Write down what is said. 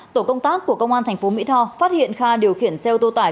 tổ công tác của công an thành phố mỹ tho phát hiện kha điều khiển xe ô tô tải